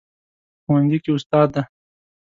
په ښوونځي کې استاد ده